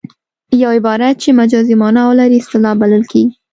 یو عبارت چې مجازي مانا ولري اصطلاح بلل کیږي